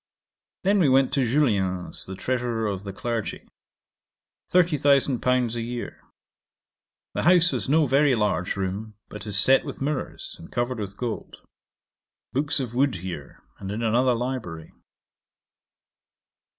'Then we went to Julien's, the Treasurer of the Clergy: 30,000£ a year. The house has no very large room, but is set with mirrours, and covered with gold. Books of wood here, and in another library.